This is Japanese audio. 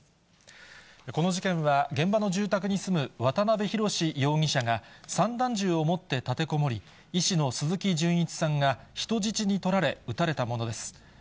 この事件は、現場の住宅に住む渡辺宏容疑者が散弾銃を持って立てこもり、医師の鈴木純一さんが人質に取られ撃たれたものです。